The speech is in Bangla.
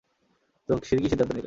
তো, কী সিদ্ধান্ত নিলে?